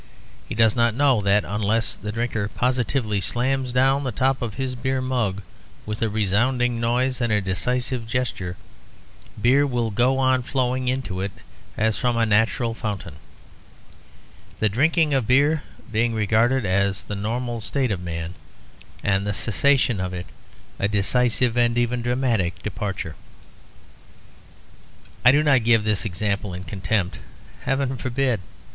He does not know that unless the drinker positively slams down the top of his beer mug with a resounding noise and a decisive gesture, beer will go on flowing into it as from a natural fountain; the drinking of beer being regarded as the normal state of man, and the cessation of it a decisive and even dramatic departure. I do not give this example in contempt; heaven forbid.